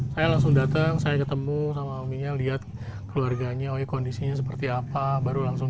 saya langsung datang saya ketemu sama omnya lihat keluarganya kondisinya seperti apa baru langsung